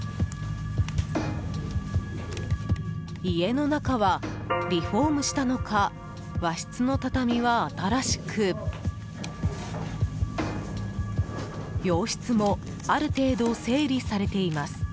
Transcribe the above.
家の中はリフォームしたのか和室の畳は新しく洋室も、ある程度整理されています。